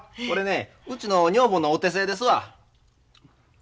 これねうちの女房のお手製ですわ。